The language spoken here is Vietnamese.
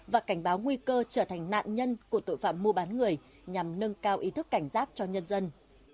và cảnh báo nguy cơ trở thành nạn nhân của tội phạm mua bán người nhằm nâng cao ý thức cảnh giác cho nhân dân